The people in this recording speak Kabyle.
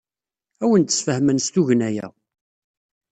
Ad awen-d-sfehmen s tugna-a.